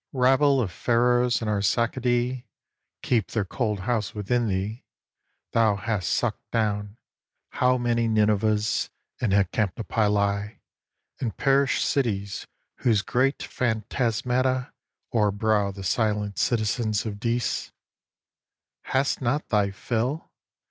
Rabble of Pharaohs and Arsacidæ Keep their cold house within thee; thou hast sucked down How many Ninevehs and Hecatompyloi And perished cities whose great phantasmata O'erbrow the silent citizens of Dis: Hast not thy fill?